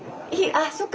あっそっか。